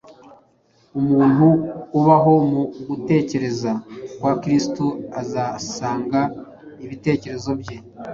Umuntu ubaho mu gutekereza kwa Kristo azasanga ibitekerezo bye